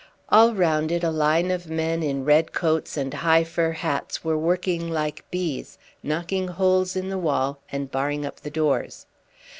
All round it a line of men in red coats and high fur hats were working like bees, knocking holes in the wall and barring up the doors.